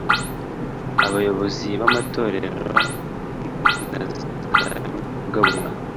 abayobozi b’ amatorero na za minisiteri z’ ivugabutumwa